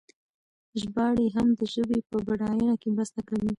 ژباړې هم د ژبې په بډاینه کې مرسته کوي.